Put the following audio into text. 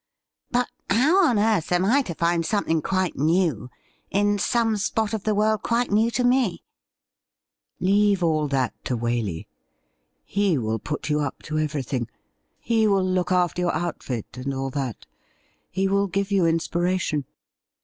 ' Rut how on earth am I to find something quite new in some spot of the world quite new to me .?'' Leave all that to Waley. He mil put you up to every thing ; he will look after your outfit and all that ; he will give you inspiration.